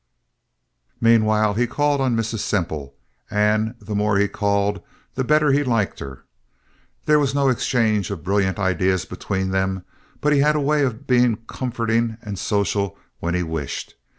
Meanwhile he called on Mrs. Semple, and the more he called the better he liked her. There was no exchange of brilliant ideas between them; but he had a way of being comforting and social when he wished.